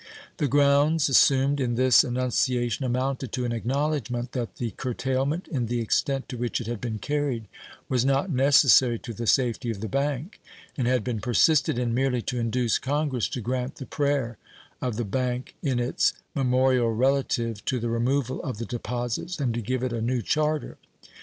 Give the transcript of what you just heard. The grounds assumed in this annunciation amounted to an acknowledgment that the curtailment, in the extent to which it had been carried, was not necessary to the safety of the bank, and had been persisted in merely to induce Congress to grant the prayer of the bank in its memorial relative to the removal of the deposits and to give it a new charter.